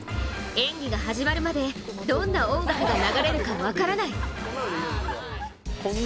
演技が始まるまでどんな音楽が流れるか分からない。